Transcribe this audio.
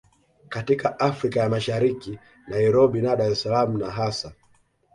katika Afrika ya Mashariki Nairobi na Dar es Salaam na hasa